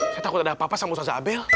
saya takut ada apa apa sama saja abel